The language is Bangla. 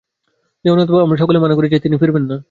দেওয়ানবাবু বললেন, আমরা সকলে মানা করেছি, তিনি ফিরবেন না।